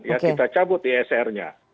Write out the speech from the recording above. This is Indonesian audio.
ya kita cabut isr nya